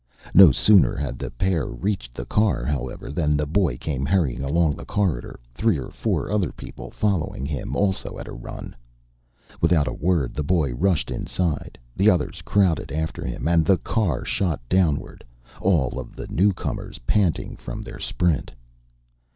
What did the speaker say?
No sooner had the pair reached the car, however, than the boy came hurrying along the corridor, three or four other people following him also at a run. Without a word the boy rushed inside, the others crowded after him, and the car shot downward, all of the newcomers panting from their sprint.